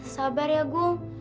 sabar ya gung